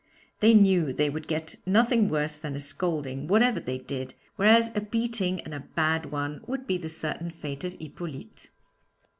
They knew they would get nothing worse than a scolding, whatever they did, whereas a beating, and a bad one, would be the certain fate of Hippolyte.